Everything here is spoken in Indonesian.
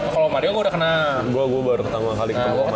kalo mario gua udah kenal